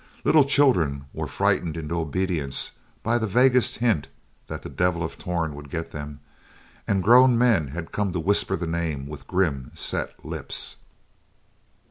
Little children were frightened into obedience by the vaguest hint that the Devil of Torn would get them, and grown men had come to whisper the name with grim, set lips.